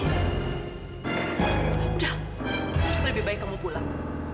sudah lebih baik kamu pulang